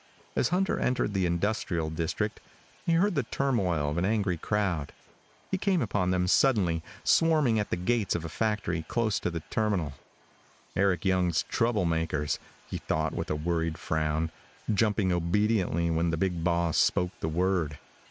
As Hunter entered the industrial district he heard the turmoil of an angry crowd. He came upon them suddenly, swarming at the gates of a factory close to the terminal. Eric Young's trouble makers, he thought with a worried frown, jumping obediently when the big boss spoke the word.